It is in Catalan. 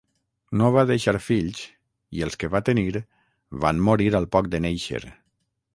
No va deixar fills, i els que va tenir van morir al poc de néixer.